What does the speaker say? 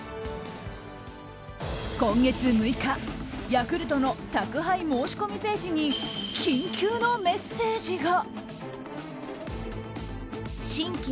今月６日ヤクルトの宅配申し込みページに緊急のメッセージが。